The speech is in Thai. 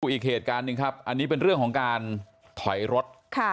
อีกเหตุการณ์หนึ่งครับอันนี้เป็นเรื่องของการถอยรถ